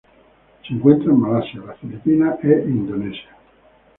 Se encuentra en Malasia, las Filipinas y Indonesia.